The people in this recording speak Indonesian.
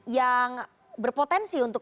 yang berpotensi untuk